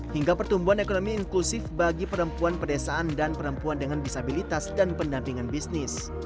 hingga pertumbuhan ekonomi inklusif bagi perempuan pedesaan dan perempuan dengan disabilitas dan pendampingan bisnis